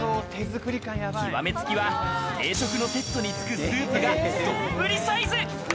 極め付きは、定食のセットに付くスープが丼サイズ。